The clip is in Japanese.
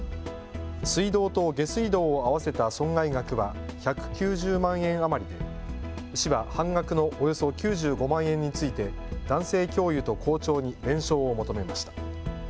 水道と下水道を合わせた損害額は１９０万円余りで市は半額のおよそ９５万円について男性教諭と校長に弁償を求めました。